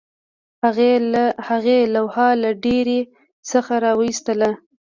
هغې لوحه له ډیرۍ څخه راویستله